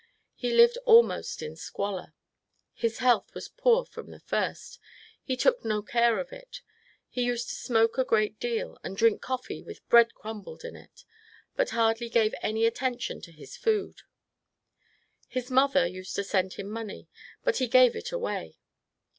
He lived almost in squalor. His health was poor from the first ; he took no care of it. He used to smoke a great deal, and drink coffee with bread crumbled in it ; but hardly gave any attention to his food. His mother used to send him money ; but he gave it away.